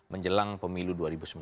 menjelang pemilu dua ribu sembilan belas